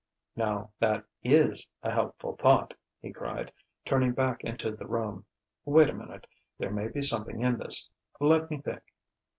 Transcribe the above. "Now that is a helpful thought!" he cried, turning back into the room. "Wait a minute. There may be something in this. Let me think."